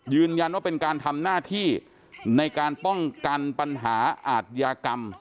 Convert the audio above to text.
ยืนยันว่าเป็นการทำหน้าที่ในการป้องกันปัญหาอาทยากรรม